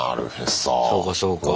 そうかそうか。